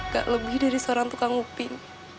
gak lebih dari seorang tukang upin